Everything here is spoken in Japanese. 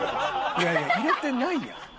いやいや入れてないやん。